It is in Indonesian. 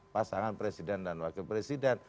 pasangan presiden dan wakil presiden